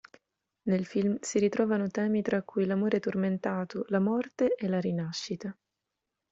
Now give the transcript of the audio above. Nel film si ritrovano temi tra cui l'amore tormentato, la morte e la rinascita.